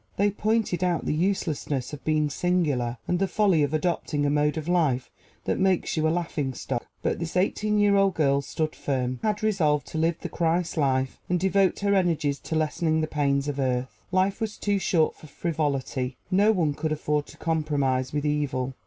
They pointed out the uselessness of being singular, and the folly of adopting a mode of life that makes you a laughing stock. But this eighteen year old girl stood firm. She had resolved to live the Christ life and devote her energies to lessening the pains of earth. Life was too short for frivolity; no one could afford to compromise with evil.